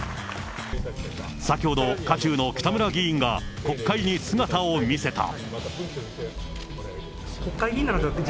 先ほど、渦中の北村議員が国会に姿を見せた。